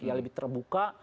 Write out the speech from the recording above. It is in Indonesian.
yang lebih terbuka